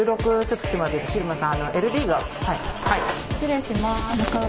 失礼します。